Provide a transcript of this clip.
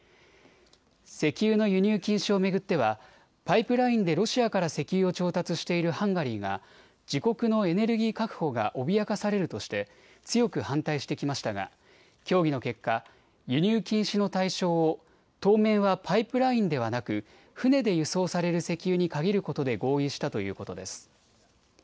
石油の輸入禁止を巡ってはパイプラインでロシアから石油を調達しているハンガリーが自国のエネルギー確保が脅かされるとして強く反対してきましたが協議の結果、輸入禁止の対象を当面はパイプラインではなく船で輸送される石油に限ることで合意したということです。